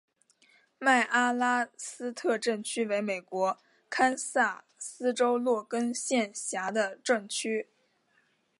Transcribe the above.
麦阿拉斯特镇区为美国堪萨斯州洛根县辖下的镇区。